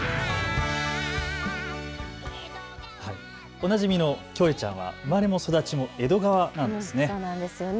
おなじみのキョエちゃんは生まれも育ちも江戸川なんですね。